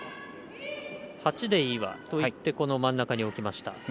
「８でいいわ」といってこの真ん中に置きました。